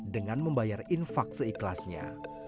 dengan membayar infaq seikhlasnya